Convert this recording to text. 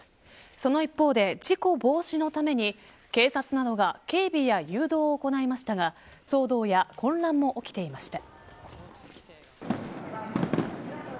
その一方で事故防止のために警察などが警備や誘導を行いましたが騒動や混乱も起きていました。